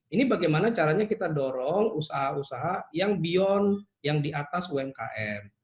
ini bagaimana caranya kita dorong usaha usaha yang beyond yang di atas umkm